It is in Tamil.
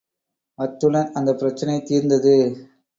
அத்துடன் அந்தப் பிரச்னை தீர்ந்தது.